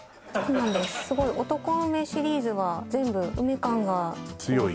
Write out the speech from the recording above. すごい男梅シリーズは全部梅感が強い？